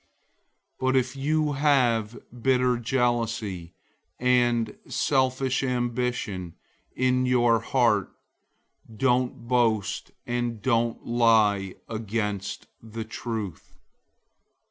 003:014 But if you have bitter jealousy and selfish ambition in your heart, don't boast and don't lie against the truth.